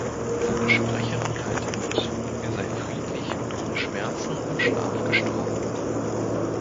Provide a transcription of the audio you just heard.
Seine Sprecherin teilte mit, er sei „friedlich und ohne Schmerzen im Schlaf“ gestorben.